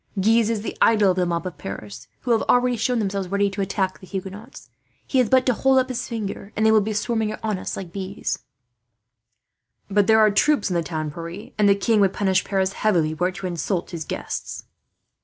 Guise is the idol of the mob of Paris, who have always shown themselves ready to attack the Huguenots. He has but to hold up his finger, and they would be swarming on us like bees." "But there are troops in the town, Pierre, and the king would punish Paris heavily, were it to insult his guests."